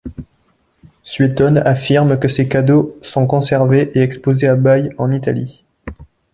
Suétone affirme que ces cadeaux sont conservés et exposés à Baïes, en Italie.